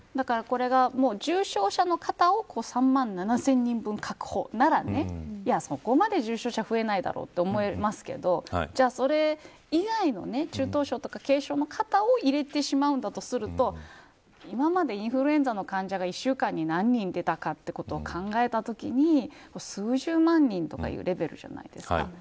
これが、重症者の方を３万７０００人分確保ならいや、そこまで重症者が増えないだろうと思いますけどそれ以外の、中等症や軽症の方を入れてしまうんだとすると今までインフルエンザの患者が１週間に何人出たかっていうそういうことを考えたときに数十万人とかいうレベルじゃないですか。